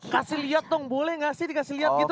kasih lihat dong boleh gak sih dikasih lihat gitu